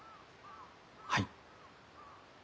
はい。